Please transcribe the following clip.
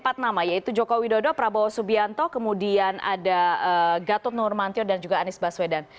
yang pertama yaitu joko widodo prabowo subianto kemudian ada gator normantio dan juga anies baswedan